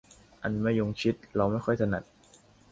อันมะยงชิดเราไม่ค่อยถนัด